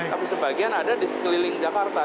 tapi sebagian ada di sekeliling jakarta